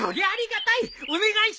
お願いします。